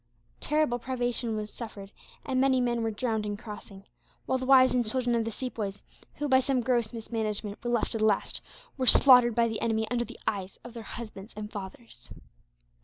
Terrible privation was suffered, and many men were drowned in crossing; while the wives and children of the Sepoys who, by some gross mismanagement, were left to the last, were slaughtered by the enemy under the eyes of their husbands and fathers.